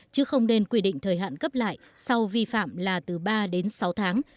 chứ không nên quy định thời hạn cấp lại sau vi phạm là từ ba đến sáu tháng